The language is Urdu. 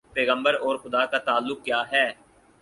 پیغمبر اور خدا کا تعلق کیا ہے؟